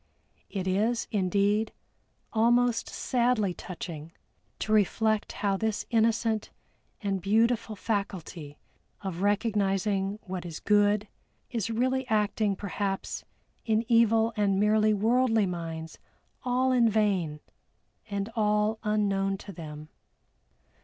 It is, indeed, almost sadly touching to reflect how this innocent and beautiful faculty of recognizing what is good, is really acting perhaps in evil and merely worldly minds all in vain, and all unknown to them.